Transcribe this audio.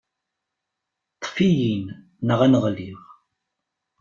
Ṭṭef-iyi-n, neɣ ad n-ɣliɣ.